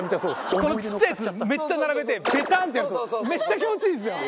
このちっちゃいやつめっちゃ並べてベタンってやるとめっちゃ気持ちいいんですよ。